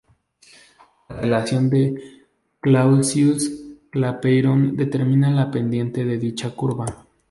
La relación de Clausius-Clapeyron determina la pendiente de dicha curva.